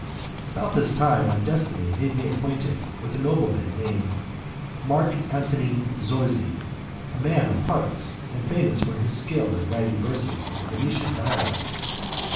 About this time my destiny made me acquainted with a nobleman called Mark Antony Zorzi, a man of parts and famous for his skill in writing verses in the Venetian dialect.